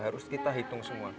harus kita hitung semua